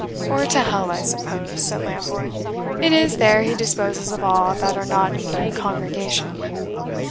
"Or to hell, I suppose," said Lambourne "it is there he disposes of all that are not of the congregation."